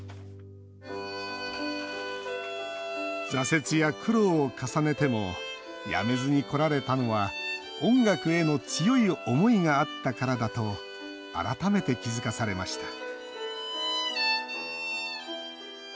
挫折や苦労を重ねても辞めずにこられたのは音楽への強い思いがあったからだと改めて気付かされました